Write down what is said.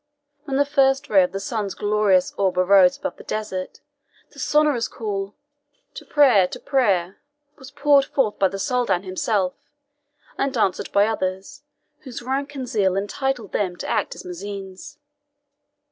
When the first ray of the sun's glorious orb arose above the desert, the sonorous call, "To prayer to prayer!" was poured forth by the Soldan himself, and answered by others, whose rank and zeal entitled them to act as muezzins.